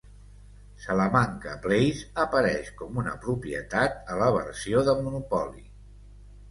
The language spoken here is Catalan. Salamanca Place apareix com una propietat a la versió de Monopoly.